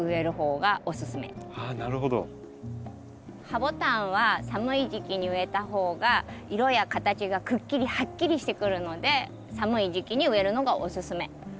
ハボタンは寒い時期に植えた方が色や形がくっきりはっきりしてくるので寒い時期に植えるのがおすすめ。